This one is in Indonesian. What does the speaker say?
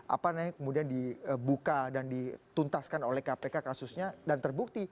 apa namanya kemudian dibuka dan dituntaskan oleh kpk kasusnya dan terbukti